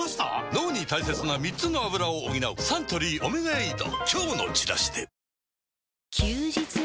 脳に大切な３つのアブラを補うサントリー「オメガエイド」